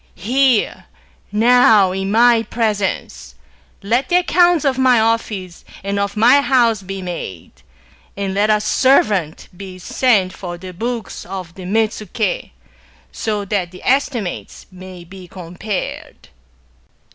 ... Here, now, in my presence, let the accounts of my office and of my house be made ; and let a servant be sent for the books of the Metsuke,^ so that the esti mates may be compared